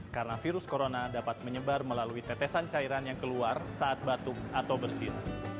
karena virus corona dapat menyebar melalui tetesan cairan yang keluar saat batuk atau bersin